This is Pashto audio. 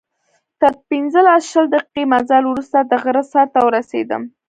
تر پنځلس، شل دقیقې مزل وروسته د غره سر ته ورسېدم.